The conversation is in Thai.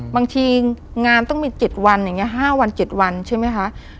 บางทีงานต้องมี๗วันอย่างนี้๕วัน๗วันใช่ไหมคะ